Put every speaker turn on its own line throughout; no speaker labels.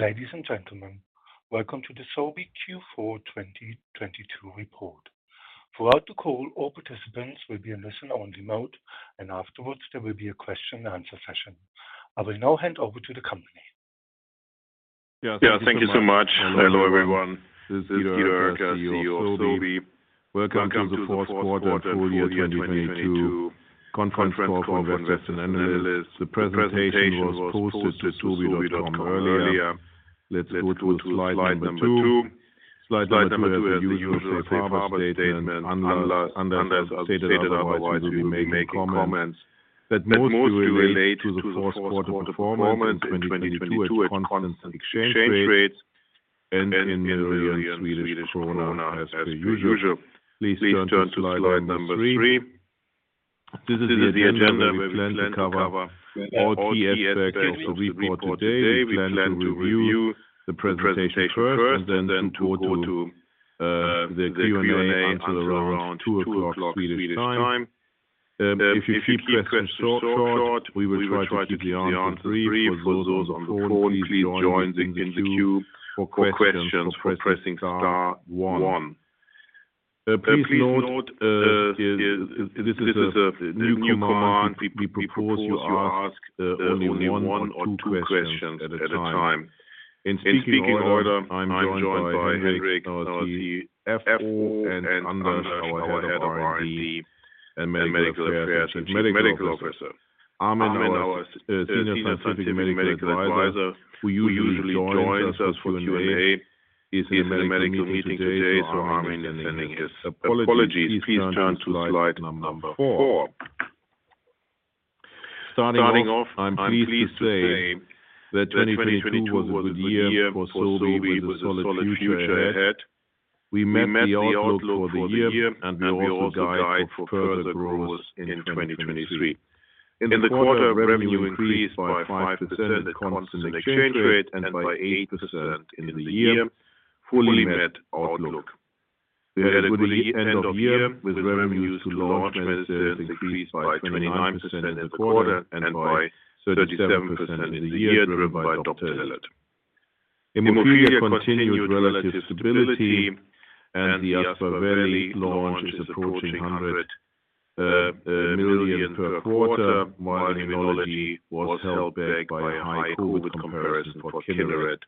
Ladies and gentlemen, welcome to the Sobi Q4 2022 report. Throughout the call, all participants will be in listen-only mode, and afterwards there will be a question and answer session. I will now hand over to the company.
Yeah, thank you so much. Hello, everyone. This is Guido, CEO of Sobi. Welcome to the fourth quarter and full year 2022 conference call for investors and analysts. The presentation was posted to sobi.com earlier. Let's go to slide number two. slide number two has the usual safe harbor statement. As stated otherwise, we will be making comments that mostly relate to the fourth quarter performance in 2022 at constant exchange rates and in million SEK as per usual. Please turn to slide number three. This is the agenda. We plan to cover all key aspects of the report today. We plan to review the presentation first and then to go to the Q&A until around 2:00 P.M. Swedish time. If you keep questions short, we will try to keep the answers brief. For those on the phone, please join in the queue for questions for pressing star one. Please note, here this is a new command. We propose you ask only one or two questions at a time. In speaking order, I'm joined by Henrik, the FO, and Anders, our Head of R&D and Medical Affairs and Chief Medical Officer. Armen, our senior scientific medical advisor, who usually joins us for Q&A, is in a medical meeting today. Armen is sending his apologies. Please turn to slide number four. Starting off, I'm pleased to say that 2022 was a good year for Sobi with a solid future ahead. We met the outlook for the year, and we also guide for further growth in 2023. In the quarter, revenue increased by 5% at constant exchange rate and by 8% in the year, fully met outlook. We had a good end of year with revenues to launched medicines increased by 29% in the quarter and by 37% in the year, driven by Doptelet. Hemophilia continued relative stability and the Aspaveli launch is approaching 100 million per quarter. Immunology was held back by high COVID comparison for Kineret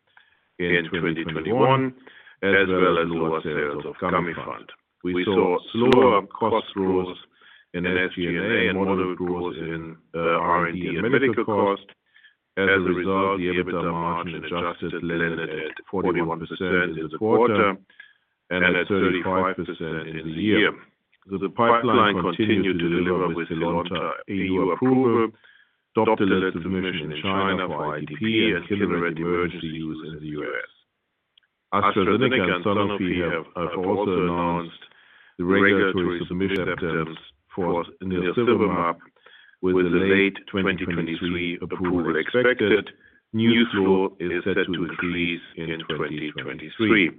in 2021, as well as lower sales of Gamifant. We saw slower cost growth in SG&A and moderate growth in R&D and medical cost. As a result, the EBITDA margin Adjusted landed at 41% in the quarter and at 35% in the year. The pipeline continued to deliver with Zynlonta EU approval, Doptelet submission in China for ITP and Kineret emergency use in the U.S. AstraZeneca and Sanofi have also announced the regulatory submission attempts for nirsevimab with a late 2023 approval expected. New flow is set to increase in 2023.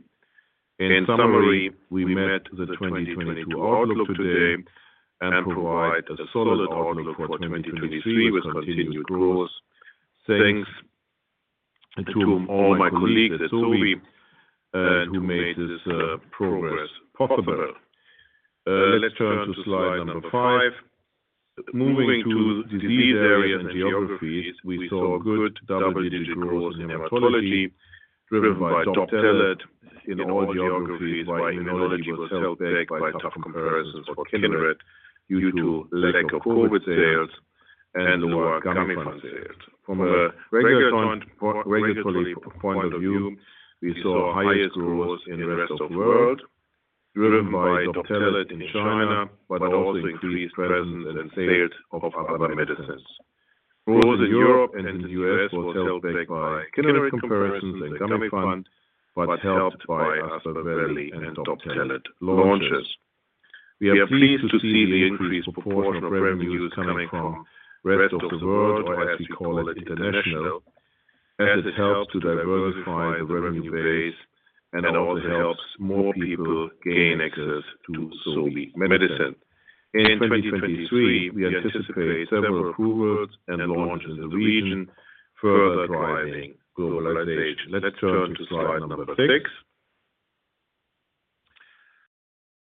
In summary, we met the 2022 outlook today and provide a solid outlook for 2023 with continued growth. Thanks to all my colleagues at Sobi, who made this progress possible. Let's turn to slide number five. Moving to disease areas and geographies, we saw good double-digit growth in Hematology, driven by Doptelet in all geographies, while Immunology was held back by tough comparisons for Kineret due to lack of COVID sales and lower Gamifant sales. From a regulatory point of view, we saw highest growth in rest of world, driven by Doptelet in China, but also increased presence and sales of other medicines. Growth in Europe and in the U.S. was held back by Kineret comparisons and Gamifant, but helped by Aspaveli and Doptelet launches. We are pleased to see the increased proportion of revenues coming from rest of the world, or as we call it, international, as it helps to diversify the revenue base and also helps more people gain access to Sobi medicine. In 2023, we anticipate several approvals and launch in the region, further driving globalization. Let's turn to slide number six.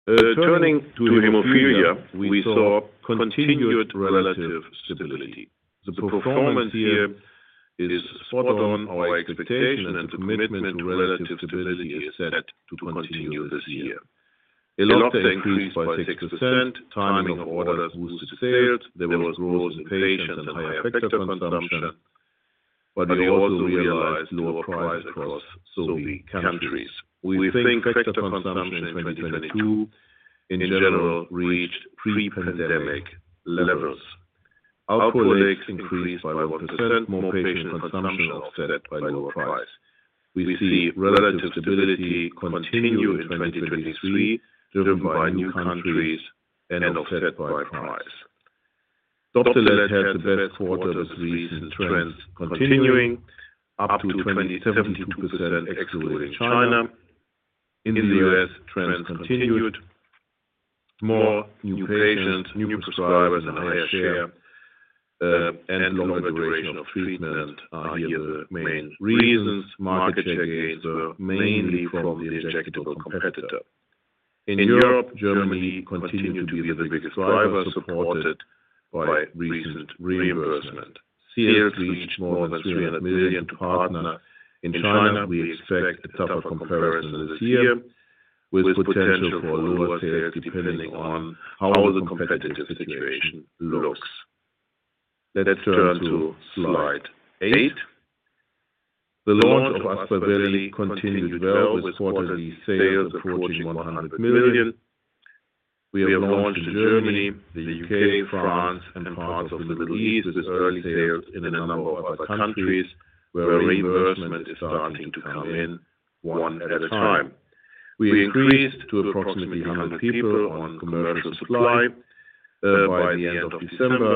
Turning to Hemophilia, we saw continued relative stability. The performance here is spot on our expectation, and commitment to relative stability is set to continue this year. Elocta increased by 6%. Timing of orders boosted sales. There was growth in patients and higher factor consumption, but we also realized lower price across Sobi countries. We think factor consumption in 2022 in general reached pre-pandemic levels. Alprolix increased by 1%. More patient consumption offset by lower price. We see relative stability continue in 2023, driven by new countries and offset by price. Doptelet had the best quarter with recent trends continuing. Up to 72% ex including China. In the U.S., trends continued. More new patients, new prescribers and a higher share, and longer duration of treatment are here the main reasons. Market share gains were mainly from the injectable competitor. In Europe, Germany continued to be the biggest driver supported by recent reimbursement. Sales reached more than 300 million. Partner in China, we expect a tougher comparison this year with potential for lower sales depending on how the competitive situation looks. Let's turn to slide 8. The launch of Aspaveli continued well, with quarterly sales approaching 100 million. We have launched in Germany, the U.K., France, and parts of the Middle East, with early sales in a number of other countries where reimbursement is starting to come in one at a time. We increased to approximately 100 people on commercial supply by the end of December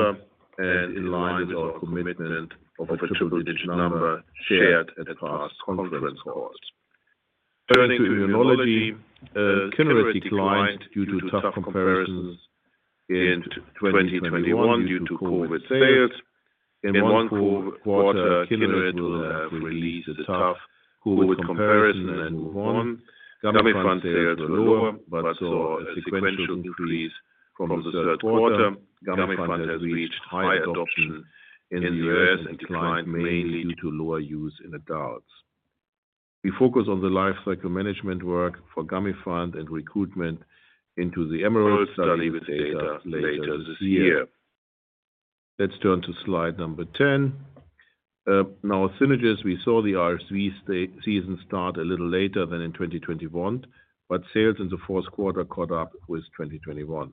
and in line with our commitment of a triple digit number shared at the last conference call. Turning to immunology, Kineret declined due to tough comparisons in 2021 due to COVID sales. In one quarter, Kineret will release the tough COVID comparison and move on. Gamifant sales were lower, but saw a sequential increase from the third quarter. Gamifant has reached high adoption in the U.S. and declined mainly due to lower use in adults. We focus on the lifecycle management work for Gamifant and recruitment into the EMERALD study with data later this year. Let's turn to slide number 10. Now Synagis, we saw the RSV season start a little later than in 2021, but sales in the fourth quarter caught up with 2021.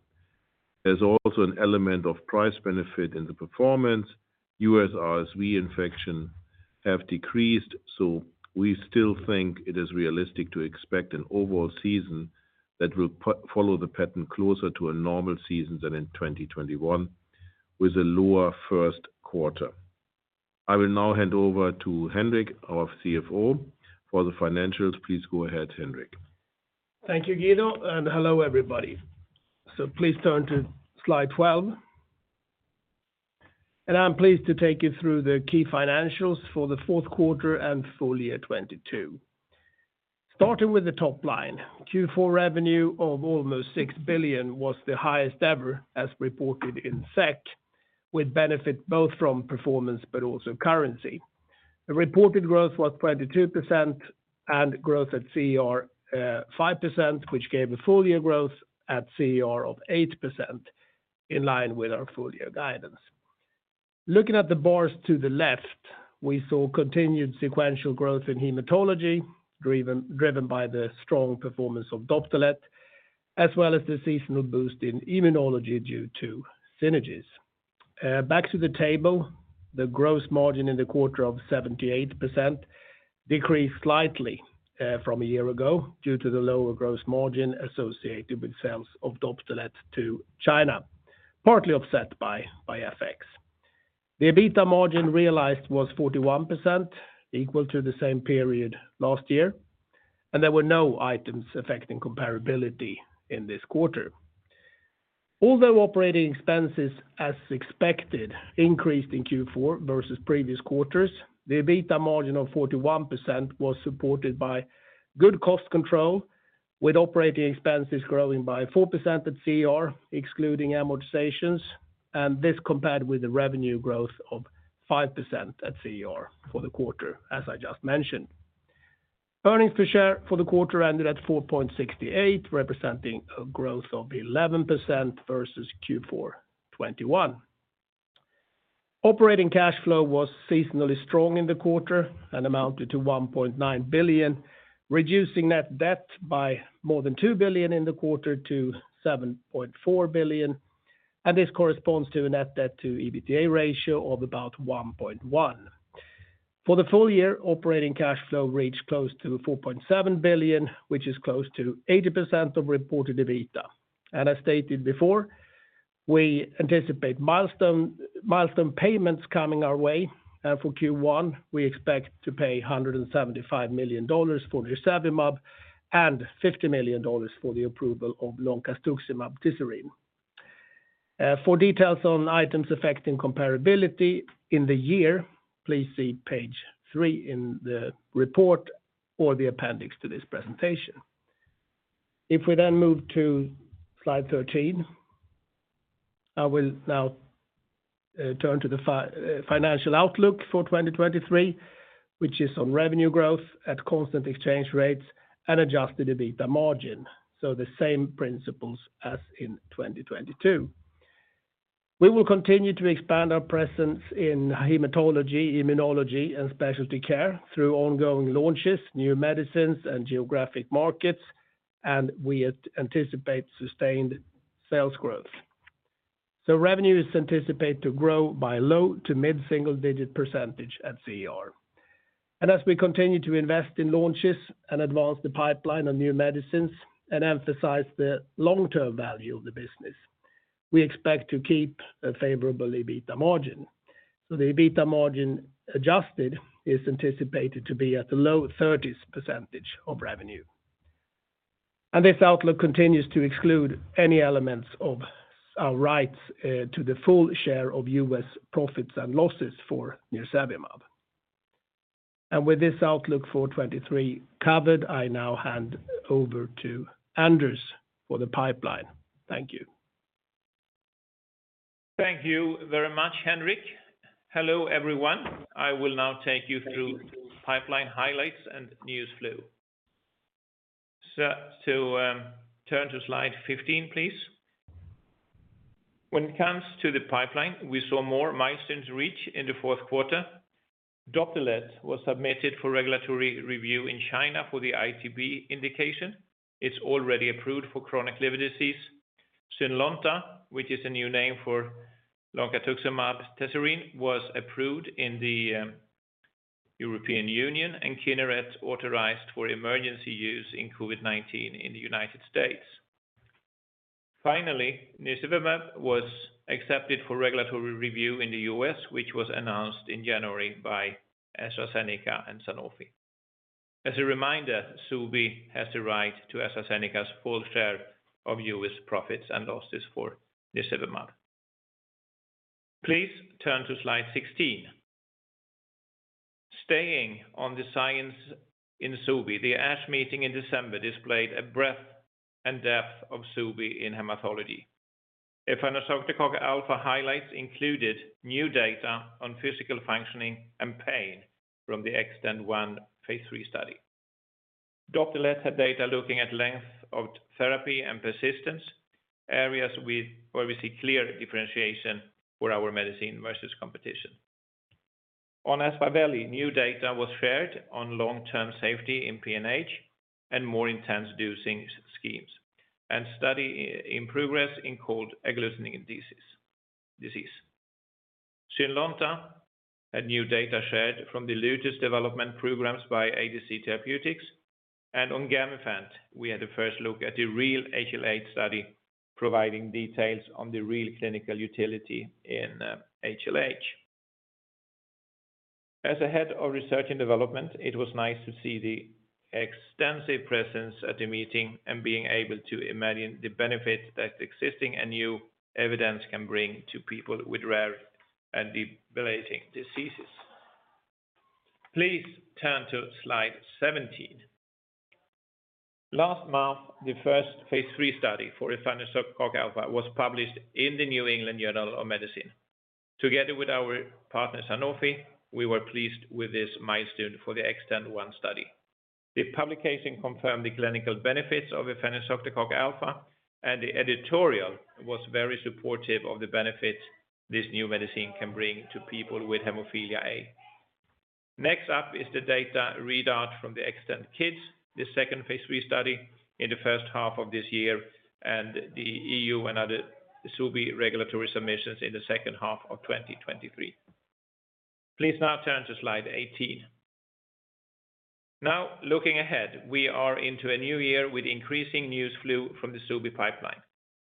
There's also an element of price benefit in the performance. U.S. RSV infection have decreased, so we still think it is realistic to expect an overall season that will follow the pattern closer to a normal season than in 2021, with a lower first quarter. I will now hand over to Henrik, our CFO, for the financials. Please go ahead, Henrik.
Thank you, Guido, and hello everybody. Please turn to slide 12. I'm pleased to take you through the key financials for the fourth quarter and full year 2022. Starting with the top line. Q4 revenue of almost 6 billion was the highest ever as reported in SEK, with benefit both from performance but also currency. The reported growth was 22% and growth at CER, 5%, which gave a full year growth at CER of 8% in line with our full year guidance. Looking at the bars to the left, we saw continued sequential growth in hematology, driven by the strong performance of Doptelet, as well as the seasonal boost in immunology due to Synagis. Back to the table. The gross margin in the quarter of 78% decreased slightly from a year ago due to the lower gross margin associated with sales of Doptelet to China, partly offset by FX. The EBITDA margin realized was 41%, equal to the same period last year, and there were no items affecting comparability in this quarter. Although operating expenses, as expected, increased in Q4 versus previous quarters, the EBITDA margin of 41% was supported by good cost control, with operating expenses growing by 4% at CER, excluding amortizations, and this compared with the revenue growth of 5% at CER for the quarter, as I just mentioned. Earnings per share for the quarter ended at 4.68, representing a growth of 11% versus Q4 2021. Operating cash flow was seasonally strong in the quarter and amounted to 1.9 billion, reducing Net Debt by more than 2 billion in the quarter to 7.4 billion. This corresponds to a Net Debt to EBITDA ratio of about 1.1. For the full year, operating cash flow reached close to 4.7 billion, which is close to 80% of reported EBITDA. As stated before, we anticipate milestone payments coming our way. For Q1, we expect to pay $175 million for nirsevimab and $50 million for the approval of loncastuximab tesirine. For details on items affecting comparability in the year, please see page three in the report or the appendix to this presentation. We then move to slide 13, I will now turn to the financial outlook for 2023, which is on revenue growth at constant exchange rates and Adjusted EBITDA margin. The same principles as in 2022. We will continue to expand our presence in hematology, immunology and specialty care through ongoing launches, new medicines and geographic markets, and we anticipate sustained sales growth. Revenue is anticipated to grow by low to mid-single digit % at CER. As we continue to invest in launches and advance the pipeline on new medicines and emphasize the long-term value of the business. We expect to keep a favorable EBITA margin. The EBITA margin Adjusted is anticipated to be at the low 30s% of revenue. This outlook continues to exclude any elements of our rights to the full share of US profits and losses for nirsevimab. With this outlook for 2023 covered, I now hand over to Anders for the pipeline. Thank you.
Thank you very much, Henrik. Hello, everyone. I will now take you through pipeline highlights and news flow. Turn to slide 15 please. When it comes to the pipeline, we saw more milestones reached in the fourth quarter. Doptelet was submitted for regulatory review in China for the ITP indication. It's already approved for chronic liver disease. Zynlonta, which is a new name for loncastuximab tesirine, was approved in the European Union and Kineret authorized for emergency use in COVID-19 in the United States. Finally, nirsevimab was accepted for regulatory review in the US, which was announced in January by AstraZeneca and Sanofi. As a reminder, Sobi has the right to AstraZeneca's full share of US profits and losses for nirsevimab. Please turn to slide 16. Staying on the science in Sobi, the ASH meeting in December displayed a breadth and depth of Sobi in hematology. efanesoctocog alfa highlights included new data on physical functioning and pain from the XTEND-1 phase III study. Doptelet had data looking at length of therapy and persistence, areas where we see clear differentiation for our medicine versus competition. On Aspaveli, new data was shared on long-term safety in PNH and more intense dosing schemes. Study in progress in cold agglutinin disease. Zynlonta had new data shared from the latest development programs by ADC Therapeutics. On Gamifant, we had the first look at the REAL-HLH study providing details on the real clinical utility in HLH. As a head of research and development, it was nice to see the extensive presence at the meeting and being able to imagine the benefits that existing and new evidence can bring to people with rare and debilitating diseases. Please turn to slide 17. Last month, the first phase III study for efanesoctocog alfa was published in the New England Journal of Medicine. Together with our partner, Sanofi, we were pleased with this milestone for the XTEND-1 study. The publication confirmed the clinical benefits of efanesoctocog alfa, and the editorial was very supportive of the benefit this new medicine can bring to people with hemophilia A. Next up is the data readout from the XTEND-Kids, the second phase III study in the first half of this year, and the EU and other Sobi regulatory submissions in the second half of 2023. Please now turn to slide 18. Now, looking ahead, we are into a new year with increasing news flow from the Sobi pipeline.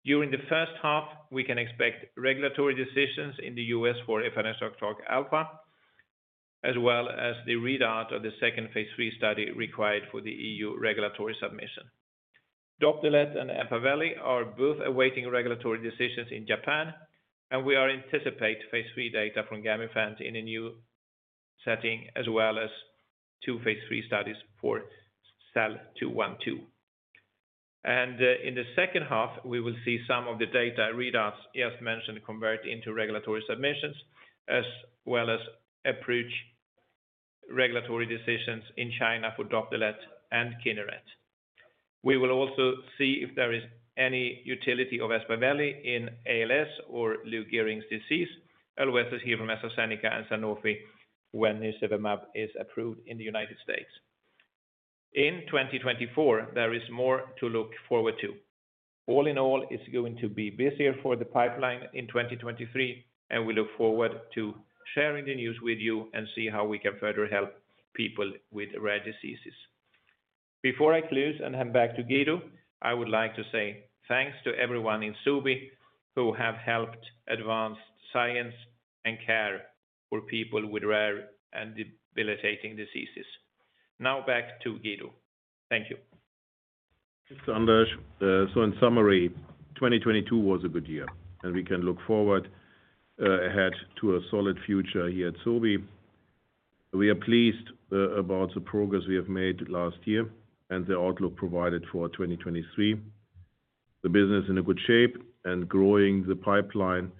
During the first half, we can expect regulatory decisions in the U.S. for efanesoctocog alfa, as well as the readout of the second phase III study required for the E.U. regulatory submission. Doptelet and Aspaveli are both awaiting regulatory decisions in Japan, and we are anticipate phase III data from Gamifant in a new setting, as well as two phase III studies for SEL-212. In the second half we will see some of the data readouts as mentioned convert into regulatory submissions as well as approach regulatory decisions in China for Doptelet and Kineret. We will also see if there is any utility of Aspaveli in ALS or Lou Gehrig's disease, as well as hear from AstraZeneca and Sanofi when nirsevimab is approved in the United States. In 2024, there is more to look forward to. All in all, it's going to be busier for the pipeline in 2023, and we look forward to sharing the news with you and see how we can further help people with rare diseases. Before I close and hand back to Guido, I would like to say thanks to everyone in Sobi who have helped advance science and care for people with rare and debilitating diseases. Now back to Guido. Thank you.
Thanks, Anders. In summary, 2022 was a good year, and we can look forward ahead to a solid future here at Sobi. We are pleased about the progress we have made last year and the outlook provided for 2023. The business in a good shape and growing the pipeline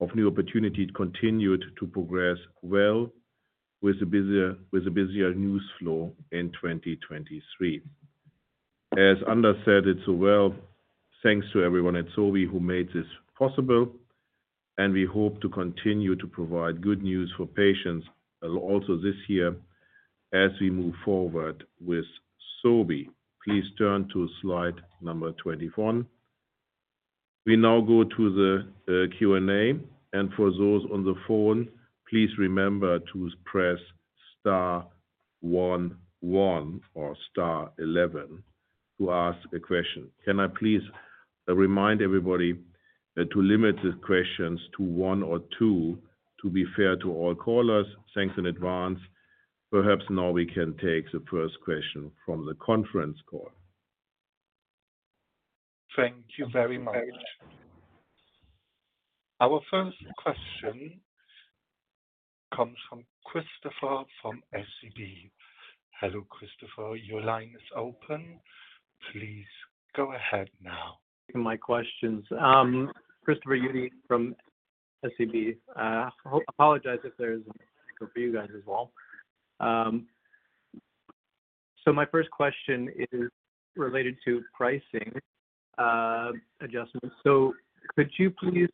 of new opportunities continued to progress well with a busier news flow in 2023. As Anders said it so well, thanks to everyone at Sobi who made this possible, and we hope to continue to provide good news for patients also this year as we move forward with Sobi. Please turn to slide number two1. We now go to the Q&A. For those on the phone, please remember to press Star 11 or Star 11 to ask a question. Can I please remind everybody to limit the questions to one or two to be fair to all callers. Thanks in advance. Perhaps now we can take the first question from the conference call.
Thank you very much. Our first question comes from Christopher from SEB. Hello, Christopher. Your line is open. Please go ahead now.
My questions. Christopher from SEB. Apologize if there's for you guys as well. My first question is related to pricing adjustments. Could you please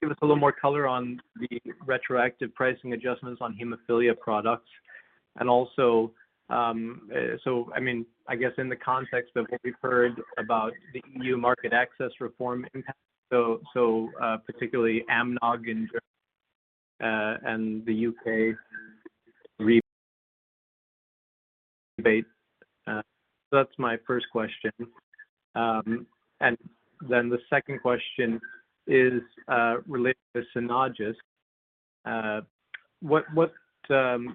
give us a little more color on the retroactive pricing adjustments on hemophilia products? Also, I mean, I guess in the context of what we've heard about the EU market access reform impact. Particularly AMNOG and the U.K. rebate. That's my first question. Then the second question is related to Synagis. What can you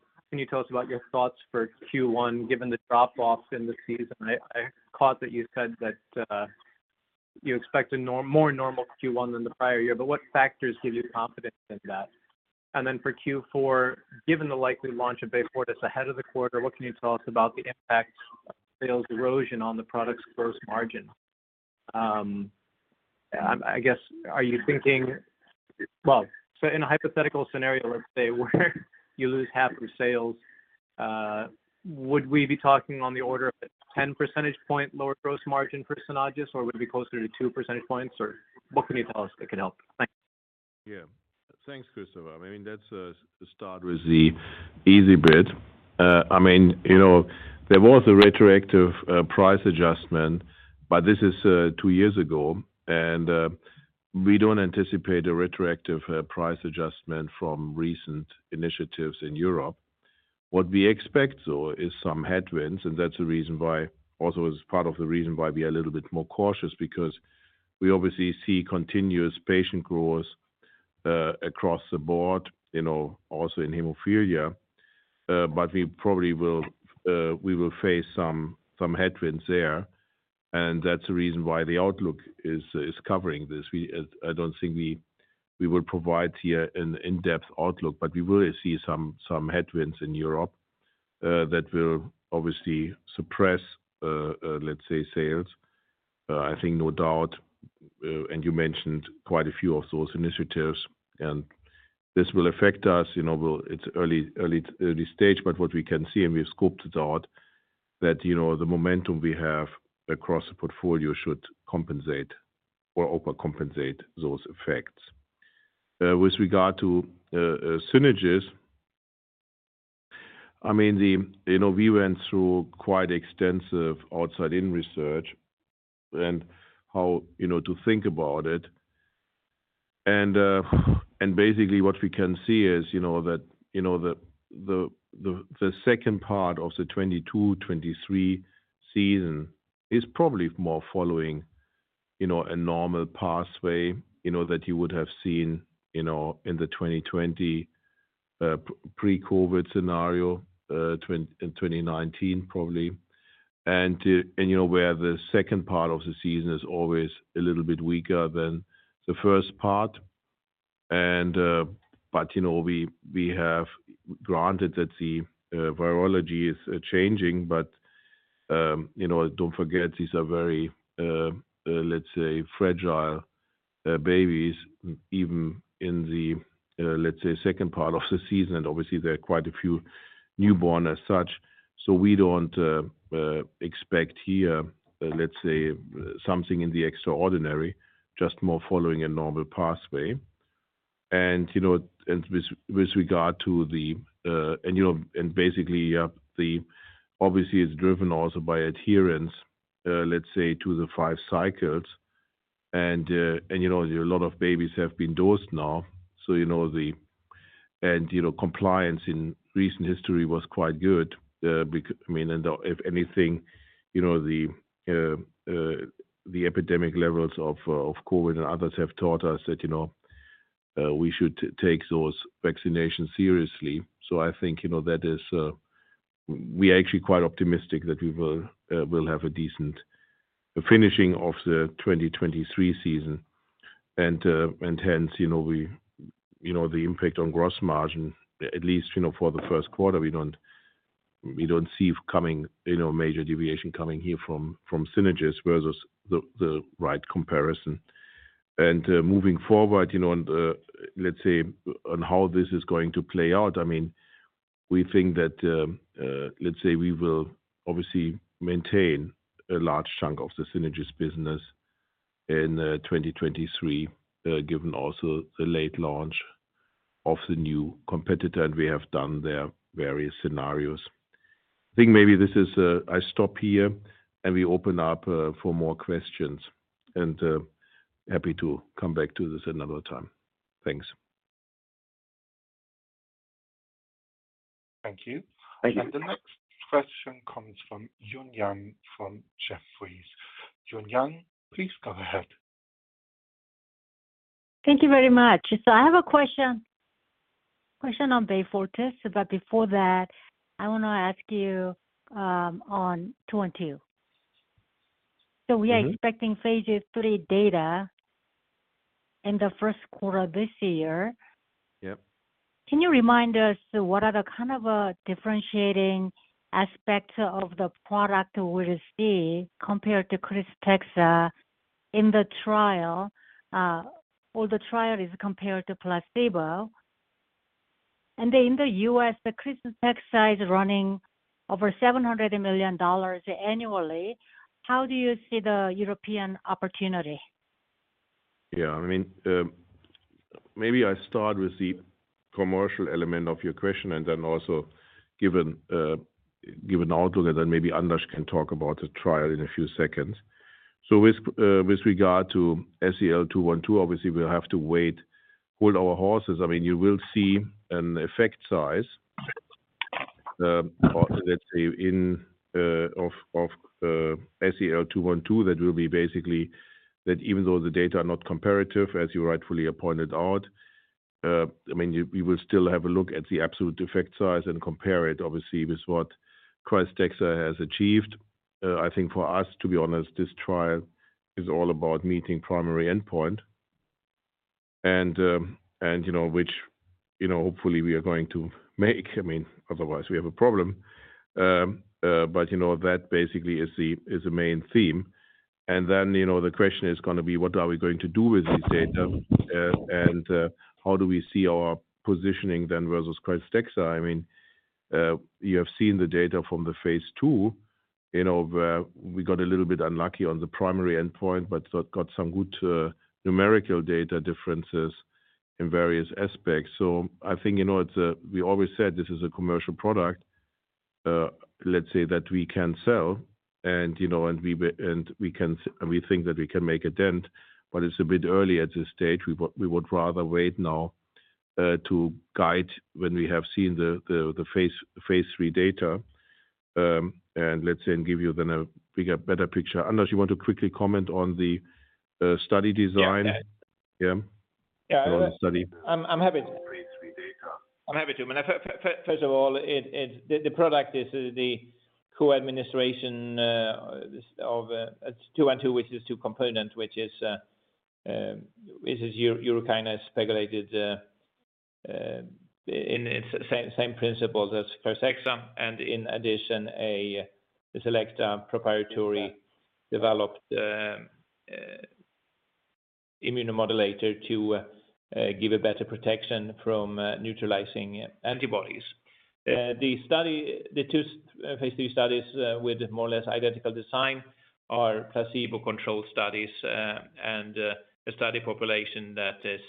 tell us about your thoughts for Q1, given the drop-off in the season? I caught that you said that you expect a more normal Q1 than the prior year, but what factors give you confidence in that? For Q4, given the likely launch of Beyfortus ahead of the quarter, what can you tell us about the impact of sales erosion on the product's gross margin? I guess, are you thinking, in a hypothetical scenario, let's say, where you lose half your sales, would we be talking on the order of a ten percentage point lower gross margin for Synagis, or would it be closer to two percentage points? Or what can you tell us that can help? Thanks.
Yeah. Thanks, Christopher. I mean, that's, start with the easy bit. I mean, you know, there was a retroactive price adjustment, but this is two years ago, and we don't anticipate a retroactive price adjustment from recent initiatives in Europe. What we expect, though, is some headwinds, and also is part of the reason why we are a little bit more cautious, because we obviously see continuous patient growth across the board, you know, also in hemophilia. We probably will face some headwinds there, and that's the reason why the outlook is covering this. I don't think we will provide here an in-depth outlook, we will see some headwinds in Europe that will obviously suppress, let's say sales. I think no doubt. You mentioned quite a few of those initiatives, and this will affect us. You know, it's early stage, but what we can see, and we've scoped it out, that, you know, the momentum we have across the portfolio should compensate or overcompensate those effects. With regard to Synagis, I mean, you know, we went through quite extensive outside-in research and how, you know, to think about it. Basically what we can see is, you know, that, you know, the second part of the 2022, 2023 season is probably more following, you know, a normal pathway, you know, that you would have seen, you know, in the 2020 pre-COVID scenario in 2019 probably. You know, where the second part of the season is always a little bit weaker than the first part. But, you know, we have granted that the virology is changing, but, you know, don't forget these are very, let's say, fragile babies, even in the, let's say, second part of the season. Obviously, there are quite a few newborn as such, so we don't expect here, let's say something in the extraordinary, just more following a normal pathway. You know, with regard to the... You know, basically, obviously, it's driven also by adherence, let's say, to the five cycles. You know, a lot of babies have been dosed now, so you know, the... You know, compliance in recent history was quite good. I mean, if anything, you know, the epidemic levels of COVID and others have taught us that, you know, we should take those vaccinations seriously. I think, you know, that is, we are actually quite optimistic that we will have a decent finishing of the 2023 season. Hence, you know, we, you know, the impact on gross margin, at least, you know, for the first quarter, we don't see coming major deviation coming here from Synagis versus the right comparison. Moving forward, you know, and let's say on how this is going to play out. I mean, we think that, let's say we will obviously maintain a large chunk of the Synagis business in 2023, given also the late launch of the new competitor, and we have done their various scenarios. I think maybe this is, I stop here and we open up for more questions and happy to come back to this another time. Thanks.
Thank you.
Thank you.
The next question comes from Eun Yang from Jefferies. Eun Yang, please go ahead.
Thank you very much. I have a question on Beyfortus, before that, I wanna ask you on SEL-212. We are expecting phase III data in the first quarter this year.
Yep.
Can you remind us what are the kind of differentiating aspects of the product we'll see compared to Krystexxa in the trial, or the trial is compared to placebo? In the US, the Krystexxa size is running over $700 million annually. How do you see the European opportunity?
Yeah, I mean, maybe I start with the commercial element of your question and then also give an out to that, then maybe Anders can talk about the trial in a few seconds. With regard to SEL-212, obviously we'll have to wait, hold our horses. I mean, you will see an effect size, or let's say of SEL-212 that will be basically that even though the data are not comparative as you rightfully pointed out, I mean, we will still have a look at the absolute effect size and compare it obviously with what Krystexxa has achieved. I think for us, to be honest, this trial is all about meeting primary endpoint and, you know, which, you know, hopefully we are going to make. I mean, otherwise, we have a problem. You know, that basically is the, is the main theme. You know, the question is gonna be what are we going to do with this data, and, how do we see our positioning then versus Krystexxa? I mean, you have seen the data from the phase II. You know, we got a little bit unlucky on the primary endpoint, but got some good, numerical data differences in various aspects. I think, you know, it's, we always said this is a commercial product, let's say that we can sell and, you know, and we can s- and we think that we can make a dent, but it's a bit early at this stage. We would rather wait now to guide when we have seen the phase III data, and let's say and give you then a bigger, better picture. Anders, you want to quickly comment on the study design?
Yeah.
Yeah.
Yeah.
On the study.
I'm happy to.
phase III data.
I'm happy to. I mean, first of all, it, the product is the co-administration, this, of, 212, which is two components, which is urokinase regulated, in its same principles as Krystexxa. In addition, a select proprietary developed immunomodulator to give a better protection from neutralizing antibodies. The study, the two phase III studies, with more or less identical design are placebo-controlled studies, a study population that is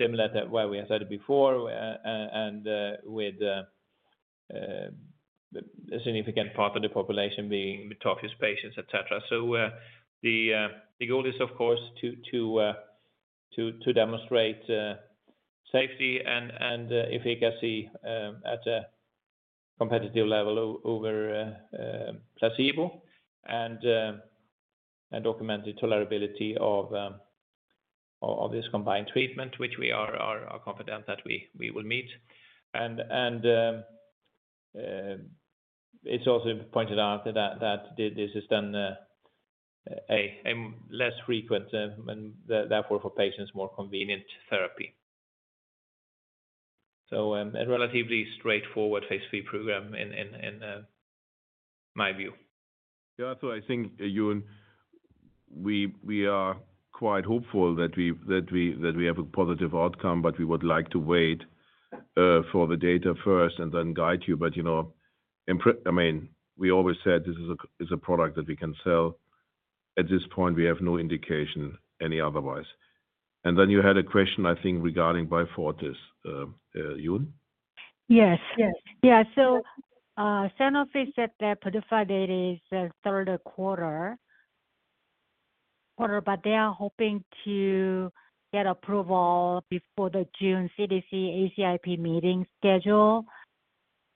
similar to where we have said it before, and with a significant part of the population being tophaceous patients, et cetera. The goal is of course to demonstrate safety and efficacy at a competitive level over placebo and document the tolerability of this combined treatment, which we are confident that we will meet. It's also pointed out that this is then a less frequent and therefore for patients, more convenient therapy. A relatively straightforward phase III program in my view.
I think, Yun, we are quite hopeful that we have a positive outcome, but we would like to wait for the data first and then guide you. You know, I mean, we always said this is a product that we can sell. At this point, we have no indication any otherwise. You had a question I think regarding Beyfortus, Yun.
Yes. Yes. Yeah. Sanofi said that PDUFA Date is third quarter, but they are hoping to get approval before the June CDC ACIP meeting schedule.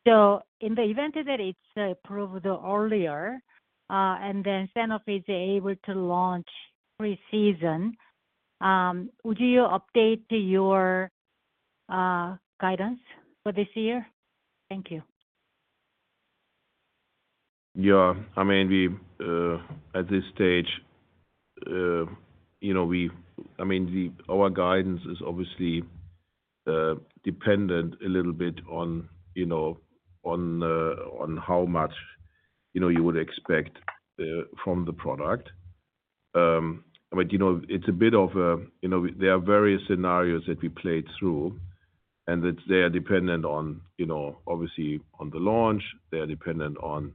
In the event that it's approved earlier, and then Sanofi is able to launch pre-season, would you update your guidance for this year? Thank you.
Yeah. I mean, we, at this stage, you know, I mean, the, our guidance is obviously dependent a little bit on, you know, on how much, you know, you would expect from the product. You know, it's a bit of, you know, there are various scenarios that we played through, and that they are dependent on, you know, obviously on the launch. They are dependent on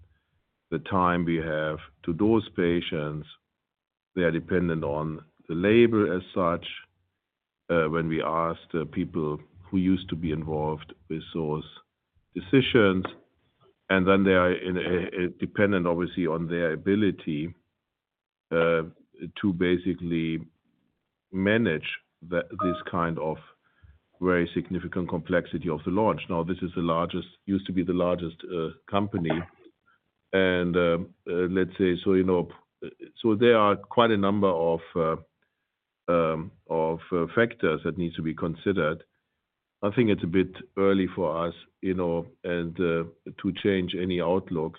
the time we have to those patients. They are dependent on the labor as such. When we asked people who used to be involved with those decisions, and then they are in a dependent obviously on their ability to basically manage this kind of very significant complexity of the launch. Now, this is the largest... Used to be the largest company. Let's say so, you know. There are quite a number of factors that needs to be considered. I think it's a bit early for us, you know, to change any outlook.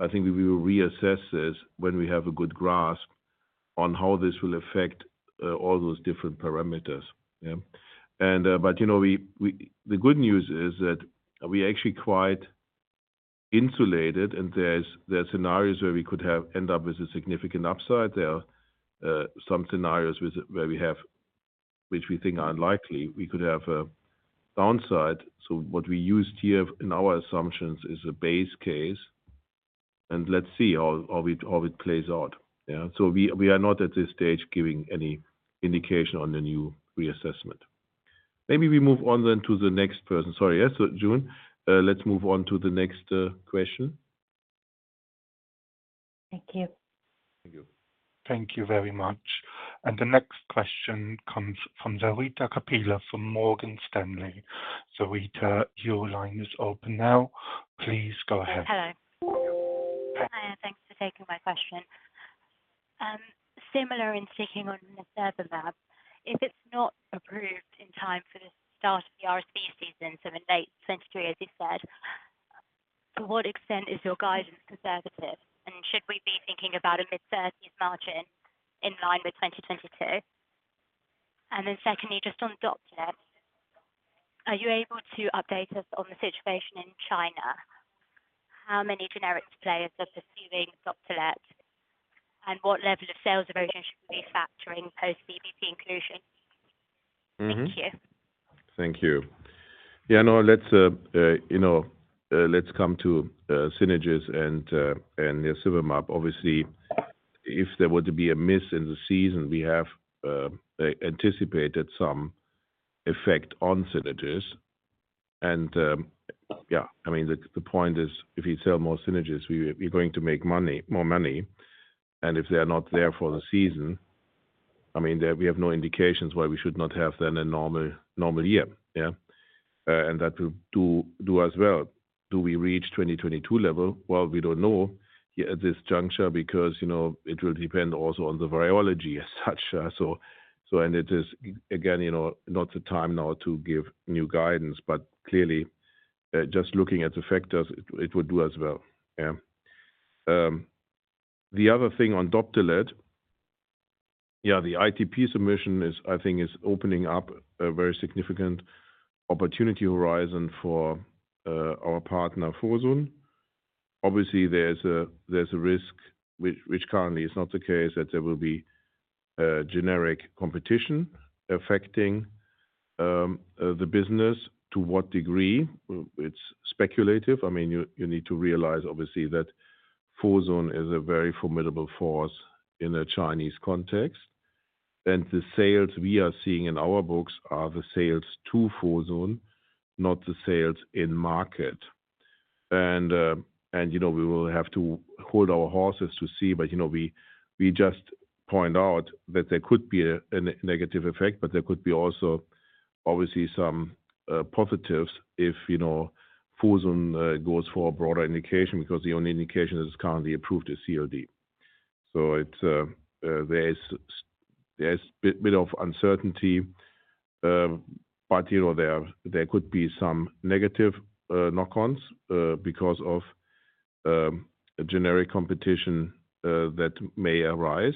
I think we will reassess this when we have a good grasp on how this will affect all those different parameters. Yeah. But, you know, we... The good news is that we actually quite insulated, and there's, there are scenarios where we could have end up with a significant upside. There are some scenarios where we have, which we think are unlikely, we could have a downside. What we used here in our assumptions is a base case, and let's see how it plays out. Yeah. We are not at this stage giving any indication on the new reassessment. Maybe we move on then to the next person. Sorry. Yeah. Eun, let's move on to the next question.
Thank you.
Thank you.
Thank you very much. The next question comes from Sarita Kapila, from Morgan Stanley. Sarita, your line is open now. Please go ahead.
Hello. Hi, and thanks for taking my question. Similar in seeking on nirsevimab. If it's not approved in time for the start of the RSV season, so in late 2023, as you said, to what extent is your guidance conservative? Should we be thinking about a mid-30% margin in line with 2022? Secondly, just on Doptelet. Are you able to update us on the situation in China? How many generic players are pursuing Doptelet, and what level of sales erosion should we be factoring post-BCP inclusion? Thank you.
Thank you. Yeah, no, let's, you know, let's come to Synagis and nirsevimab. Obviously, if there were to be a miss in the season, we have anticipated some effect on Synagis and, yeah. I mean, the point is, if you sell more Synagis, we're going to make more money. If they are not there for the season, I mean, there we have no indications why we should not have then a normal year. Yeah. That will do us well. Do we reach 2022 level? Well, we don't know here at this juncture because, you know, it will depend also on the virology as such, so it is again, you know, not the time now to give new guidance. Clearly, just looking at the factors, it would do us well. Yeah. The other thing on Doptelet. Yeah, the ITP submission is, I think is opening up a very significant opportunity horizon for our partner, Fosun. Obviously, there's a risk which currently is not the case, that there will be generic competition affecting the business. To what degree? Well, it's speculative. I mean, you need to realize obviously that Fosun is a very formidable force in a Chinese context. The sales we are seeing in our books are the sales to Fosun, not the sales in market. You know, we will have to hold our horses to see. You know, we just point out that there could be a negative effect, but there could be also obviously some positives if, you know, Fosun goes for a broader indication because the only indication that is currently approved is CLD. It's there's bit of uncertainty. You know, there could be some negative knock-ons because of a generic competition that may arise.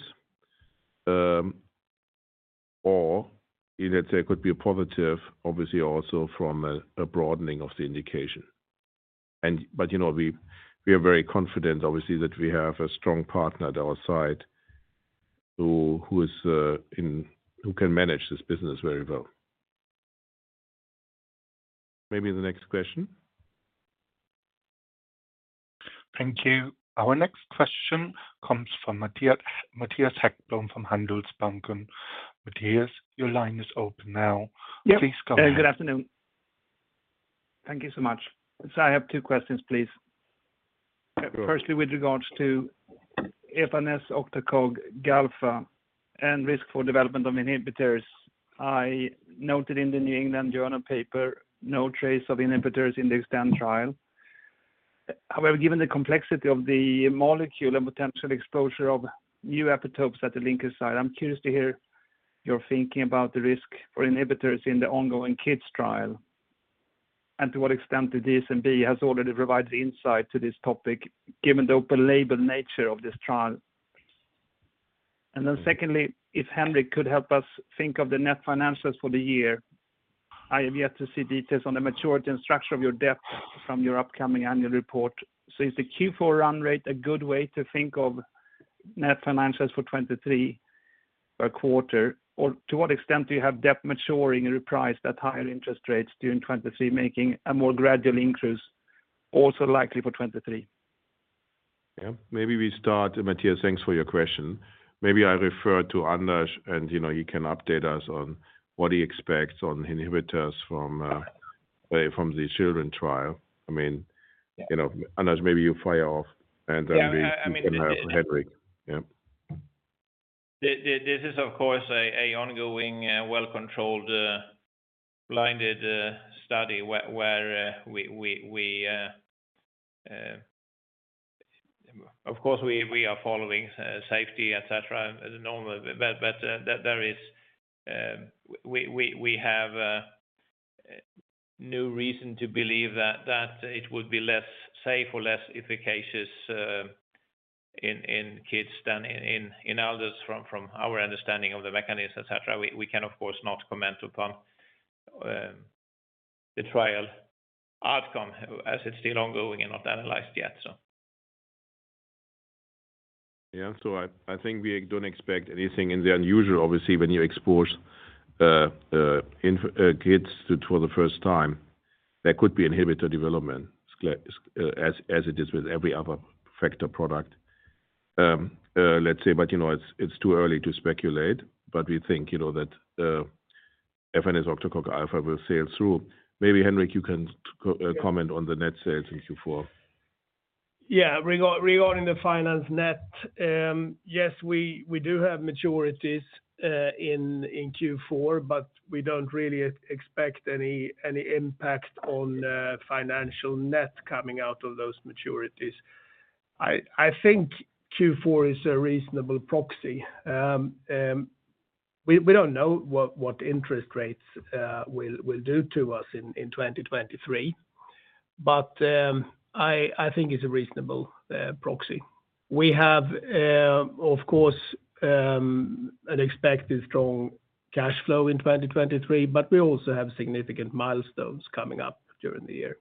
Either there could be a positive, obviously, also from a broadening of the indication. You know, we are very confident, obviously, that we have a strong partner at our side who is who can manage this business very well. Maybe the next question.
Thank you. Our next question comes from Mattias Häggblom from Handelsbanken. Mattias, your line is open now.
Yep.
Please go ahead.
Good afternoon. Thank you so much. I have two questions, please.
Sure.
Firstly, with regards to efanesoctocog alfa, and risk for development of inhibitors. I noted in the New England Journal of Medicine paper no trace of inhibitors in the XTEND-1. However, given the complexity of the molecule and potential exposure of new epitopes at the linker site, I'm curious to hear your thinking about the risk for inhibitors in the ongoing XTEND-Kids trial and to what extent the DSMB has already provided insight to this topic, given the open label nature of this trial. Then secondly, if Henrik could help us think of the Net Financials for the year. I have yet to see details on the maturity and structure of your debt from your upcoming annual report. Is the Q4 run rate a good way to think of Net Financials for 2023 per quarter? To what extent do you have debt maturing and repriced at higher interest rates during 2023, making a more gradual increase also likely for 2023?
Yeah. Maybe we start, Mattias, thanks for your question. Maybe I refer to Anders and, you know, he can update us on what he expects on inhibitors from the children trial. I mean.
Yeah.
You know, Anders, maybe you fire off and then we-.
Yeah. I think that.
We can have Henrik. Yeah.
This is of course a ongoing, well-controlled, blinded, study where we. Of course, we are following safety, et cetera, as normal. That is. We have no reason to believe that it would be less safe or less efficacious in kids than in others from our understanding of the mechanisms, et cetera. We can of course not comment upon the trial outcome as it's still ongoing and not analyzed yet, so.
I think we don't expect anything in the unusual. Obviously, when you expose kids for the first time, there could be inhibitor development as it is with every other factor product, let's say. You know, it's too early to speculate. We think, you know, that FN's octocog alfa will sail through. Maybe, Henrik, you can comment on the Net Sales in Q4.
Yeah. Regarding the finance net, yes, we do have maturities in Q4, but we don't really expect any impact on financial net coming out of those maturities. I think Q4 is a reasonable proxy. We don't know what interest rates will do to us in 2023, but I think it's a reasonable proxy. We have, of course, an expected strong cash flow in 2023, but we also have significant milestones coming up during the year.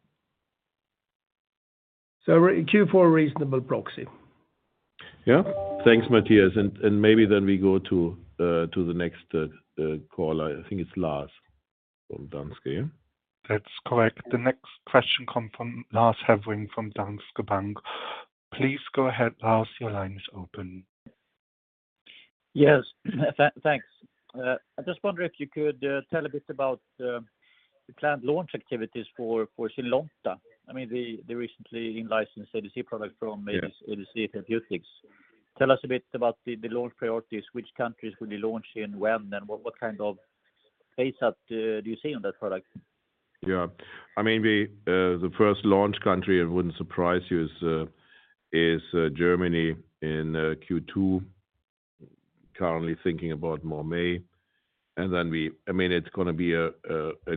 Q4 reasonable proxy.
Yeah. Thanks, Mattias. Maybe then we go to the next caller. I think it's Lars from Danske. Yeah.
That's correct. The next question come from Lars Hevreng from Danske Bank. Please go ahead, Lars. Your line is open.
Yes. Thanks. I just wonder if you could tell a bit about the planned launch activities for Zynlonta. I mean, the recently in-licensed ADC product.
Yeah...
ADC Therapeutics. Tell us a bit about the launch priorities. Which countries will you launch in when, and what kind of pace up do you see on that product?
Yeah. I mean, we, the first launch country, it wouldn't surprise you, is Germany in Q2. Currently thinking about more May. I mean, it's gonna be a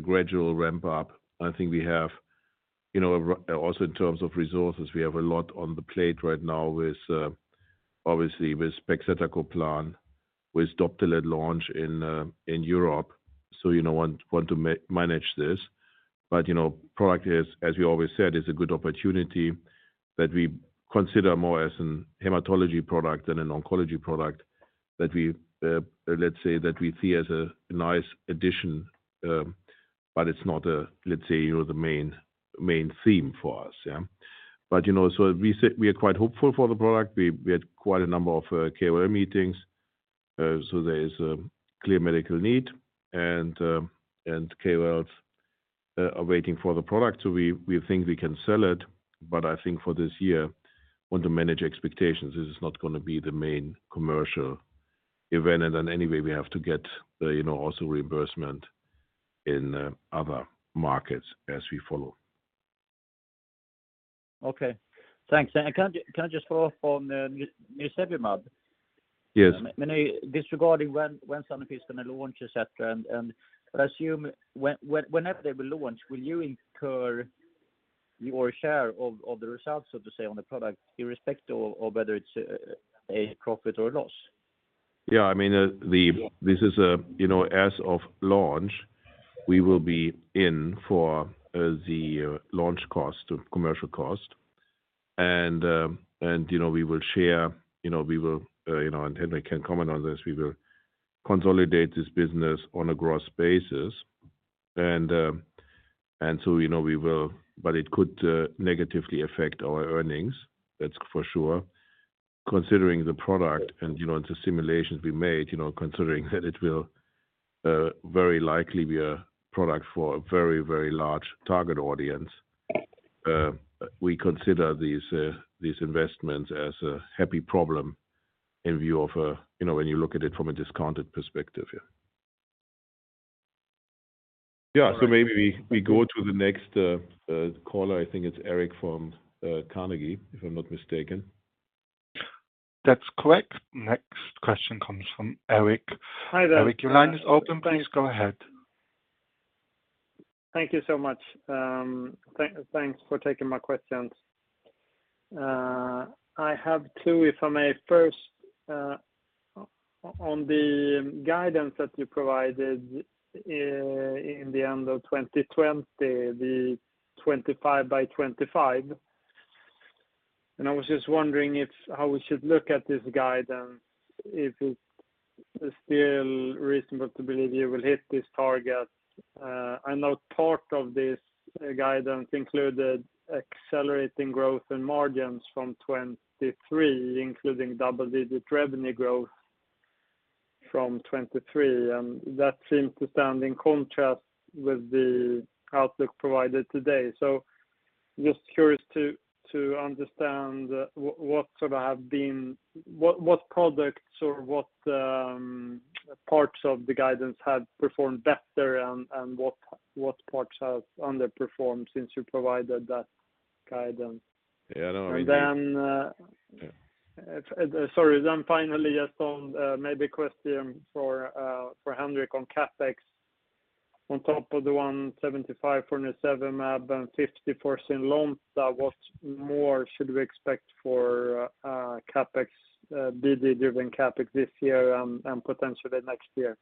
gradual ramp-up. I think we have, you know, also in terms of resources, we have a lot on the plate right now with, obviously with pegcetacoplan, with Doptelet launch in Europe. You know, manage this. You know, product is, as we always said, is a good opportunity that we consider more as an hematology product than an oncology product that we, let's say, that we see as a nice addition, but it's not a, let's say, you know, the main theme for us. Yeah. You know, we are quite hopeful for the product. We had quite a number of KOL meetings, so there is a clear medical need. KOLs are waiting for the product. We think we can sell it. I think for this year, want to manage expectations. This is not gonna be the main commercial event. Anyway, we have to get, you know, also reimbursement in other markets as we follow.
Okay. Thanks. Can I just follow up on nirsevimab?
Yes.
I mean, disregarding when Sanofi's gonna launch, et cetera, and I assume whenever they will launch, will you incur your share of the results, so to say, on the product, irrespective of whether it's a profit or loss?
Yeah. I mean, this is, you know, as of launch, we will be in for the launch cost or commercial cost. You know, we will share, you know, we will, you know. Henrik can comment on this. We will consolidate this business on a gross basis. You know, we will. It could negatively affect our earnings, that's for sure. Considering the product and, you know, the simulations we made, you know, considering that it will very likely be a product for a very, very large target audience, we consider these investments as a happy problem in view of, you know, when you look at it from a discounted perspective. Yeah. Yeah. Maybe we go to the next caller. I think it's Erik from Carnegie, if I'm not mistaken.
That's correct. Next question comes from Erik.
Hi there.
Erik, your line is open. Please go ahead.
Thank you so much. Thanks for taking my questions. I have two, if I may. First, on the guidance that you provided in the end of 2020, the 25 by 25. I was just wondering if how we should look at this guidance, if it. It's still reasonable to believe you will hit this target. I know part of this guidance included accelerating growth and margins from 2023, including double-digit revenue growth from 2023. That seems to stand in contrast with the outlook provided today. Just curious to understand what sort of have been... What products or what parts of the guidance have performed better and what parts have underperformed since you provided that guidance.
Yeah, no, I mean.
Sorry. Finally, just on, maybe a question for Henrik on Capex. On top of the 175.7, about 50% loans, what more should we expect for Capex, DD-driven Capex this year and potentially next year?